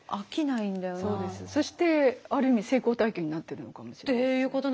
そしてある意味成功体験になってるのかもしれません。